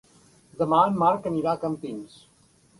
Demà en Marc anirà a Campins.